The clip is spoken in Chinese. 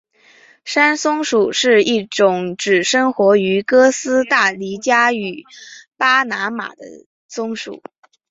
山松鼠是一种只生活于哥斯大黎加与巴拿马的松鼠。